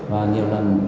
và nhiều lần